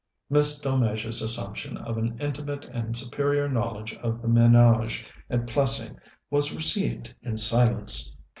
Miss Delmege's assumption of an intimate and superior knowledge of the ménage at Plessing was received in silence.